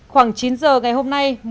khoảng chín giờ ngày hôm nay